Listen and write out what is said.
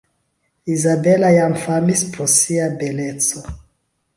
Izabela jam famis pro sia beleco.